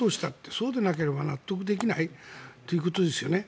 そうでなければ納得できないということですよね。